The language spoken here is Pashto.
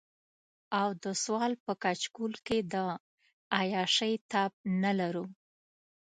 او د سوال په کچکول کې د عياشۍ تاب نه لرو.